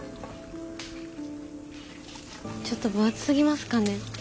ちょっと分厚すぎますかね？